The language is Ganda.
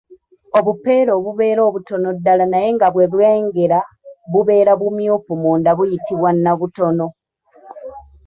Obupeera obubeera obutono ddala naye nga bwe bwengera bubeera bumyufu munda buyitibwa nnabutono.